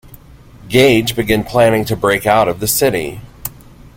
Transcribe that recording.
Gage began planning to break out of the city.